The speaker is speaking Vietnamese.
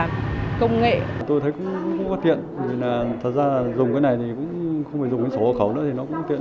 tôi thấy cũng rất là thiện thật ra là dùng cái này thì cũng không phải dùng cái số hộ khẩu nữa thì nó cũng tiện hơn